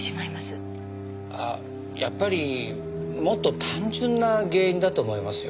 あやっぱりもっと単純な原因だと思いますよ。